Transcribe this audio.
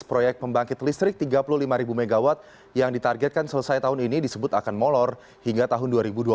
proyek pembangkit listrik tiga puluh lima mw yang ditargetkan selesai tahun ini disebut akan molor hingga tahun dua ribu dua puluh